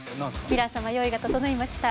ヴィラン様用意が整いました。